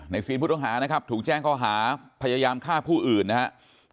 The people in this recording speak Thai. ซีนผู้ต้องหานะครับถูกแจ้งข้อหาพยายามฆ่าผู้อื่นนะครับ